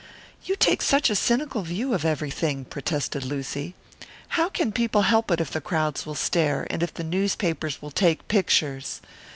"You take such a cynical view of everything," protested Lucy. "How can people help it if the crowds will stare, and if the newspapers will take pictures?